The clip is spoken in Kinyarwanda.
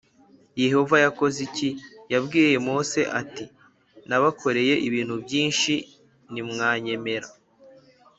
Yehova yakoze iki Yabwiye Mose ati nabakoreye ibintu byinshi ntimwanyemera